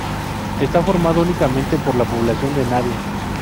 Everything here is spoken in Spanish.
Está formado únicamente por la población de Navia.